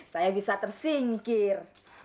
saya bisa tersingkir